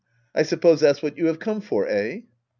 I suppose that's what you have come for — eh